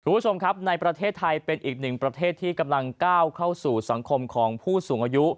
คุณผู้ชมครับในประเทศไทยเป็นอีกหนึ่งประเทศที่กำลังก้าวเข้าสู่สังคมของผู้สูงอายุ